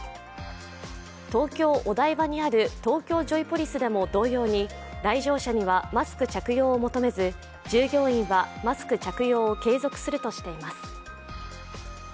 東京・お台場にある東京ジョイポリスでも同様に、来場者にはマスク着用を求めず、従業員はマスク着用を継続するとしています。